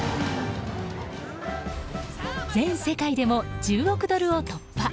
全世界でも１０億ドルを突破。